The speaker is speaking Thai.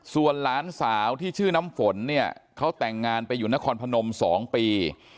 ส่วนหลานสาวที่ชื่อน้ำฝนเนี่ยเขาแต่งงานไปอยู่นครพนม๒ปี